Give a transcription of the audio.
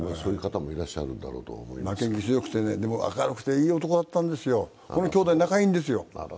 負けん気強くてね、でも明るくていい男だったんですよ、この兄弟、仲いいんですよ。